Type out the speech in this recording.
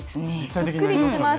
ぷっくりしてます。